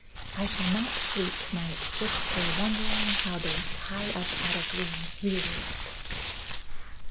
I shall not sleep to night just for wondering how those high up attic rooms really look."